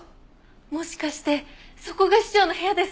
もしかしてそこが師匠の部屋ですか？